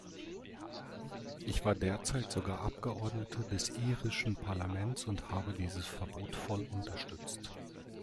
Ich war derzeit sogar Abgeordnete des irischen Parlaments und habe dieses Verbot voll unterstützt.